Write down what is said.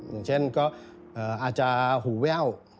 อย่างเช่นก็อาจจะหูแว่ว